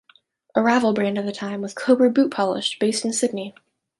A rival brand of the time was "Cobra Boot Polish", based in Sydney.